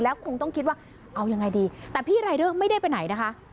แล้วคงต้องคิดว่าเอายังไงดีแต่พี่รายเดอร์ไม่ได้ไปไหนนะคะ